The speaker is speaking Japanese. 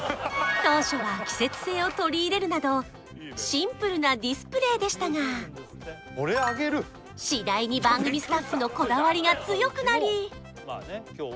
当初は季節性を取り入れるなどシンプルなディスプレイでしたが次第に番組スタッフのこだわりが強くなりあれ？